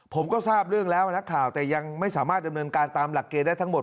ผมก็ทราบเรื่องแล้วนักข่าวแต่ยังไม่สามารถดำเนินการตามหลักเกณฑ์ได้ทั้งหมด